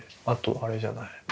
あとあれじゃない？